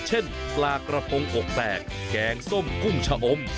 เช่นปลากระพงอกแตกแกงส้มกุ้งชะอม